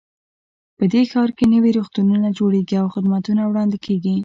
په دې ښار کې نوي روغتونونه جوړیږي او خدمتونه وړاندې کیږي